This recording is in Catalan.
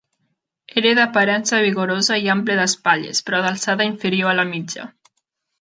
Era d'aparença vigorosa i ample d'espatlles, però d'alçada inferior a la mitja.